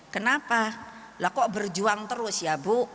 kenapa lah kok berjuang terus ya bu